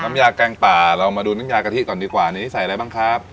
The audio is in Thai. น้ำยาแกงป่าเรามาดูน้ำยากะทิก่อนดีกว่านี้ใส่อะไรบ้างครับ